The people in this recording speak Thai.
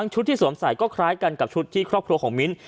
ชุดที่สวมใส่ก็คล้ายกันกับชุดที่ครอบครัวของมิ้น